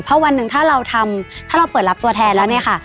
เพราะวันหนึ่งถ้าเราทำถ้าเราเปิดรับตัวแทนแล้วเนี่ยค่ะ